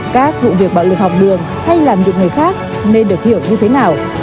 các vụ việc bạo lực học đường hay làm được người khác nên được hiểu như thế nào